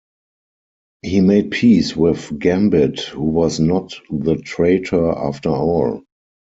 He made peace with Gambit, who was not the traitor after all.